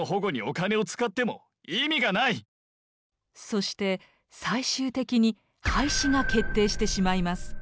そして最終的に廃止が決定してしまいます。